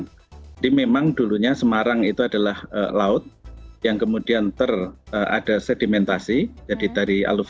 jadi memang dulunya semarang itu adalah kota yang terdiri dari kota semarang dan itu adalah kota yang terdiri dari kota semarang